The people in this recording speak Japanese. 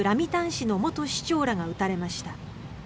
市の元市長らが撃たれました。